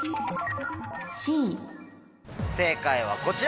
正解はこちら。